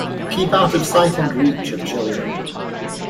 Keep out of sight and reach of children.